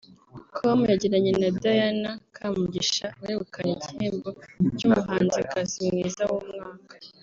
com yagiranye na Diana Kamugisha wegukanye igihembo cy’umuhanzikazi mwiza w’umwaka